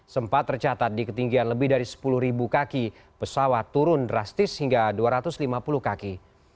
sempat tercatat di ketinggian lebih dari sepuluh kaki pesawat turun drastis hingga dua ratus lima puluh kaki